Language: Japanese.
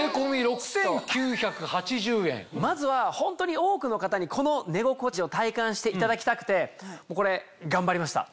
まずはホントに多くの方にこの寝心地を体感していただきたくてこれ頑張りました！